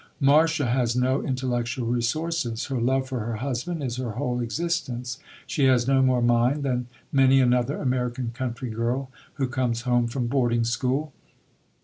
Marcia has no intellectual resources; her love for her husband is her whole existence. She has no more mind than many another American country girl who comes home from boarding school.